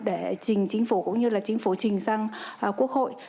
để chính phủ cũng như chính phủ trình sang quốc hội